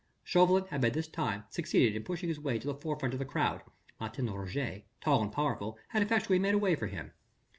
Chauvelin had by this time succeeded in pushing his way to the forefront of the crowd: Martin Roget, tall and powerful, had effectually made a way for him.